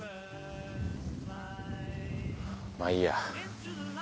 まあいいや。